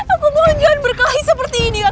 aku mohon jangan berkahi seperti ini kakak